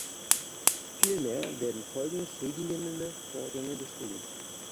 Vielmehr werden folgende schädigende Vorgänge beschrieben.